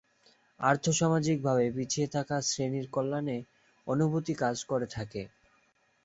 আর্থ সামাজিক ভাবে পিছিয়ে থাকা শ্রেনীর কল্যাণে অনুভূতি কাজ করে থাকে।